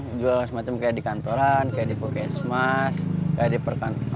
menjual semacam kayak di kantoran kayak di kawasan